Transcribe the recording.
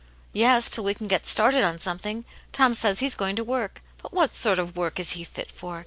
" Yes, till we can get started on something, Tom says he's going to work. But what sort of work is he fit for